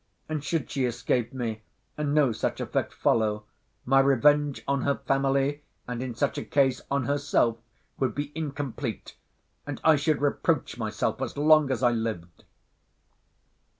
And should she escape me, and no such effect follow, my revenge on her family, and, in such a case, on herself, would be incomplete, and I should reproach myself as long as I lived.